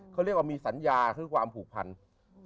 เขาเรียกว่ามีสัญญาคือความผูกพัน